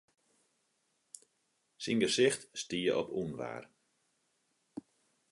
Syn gesicht stie op ûnwaar.